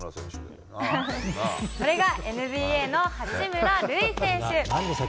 それがＮＢＡの八村塁選手。